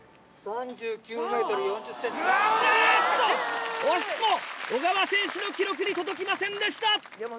あぁっと惜しくも小川選手の記録に届きませんでした。